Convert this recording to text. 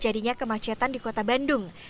terjadinya kemacetan di kota bandung